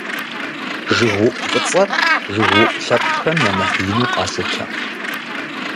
ЖыгыуӀу фӀыцӀэр, жыгыуӀу лъэпкъхэм я нэхъ ину къалъытэ.